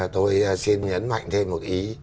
tôi xin nhấn mạnh thêm một ý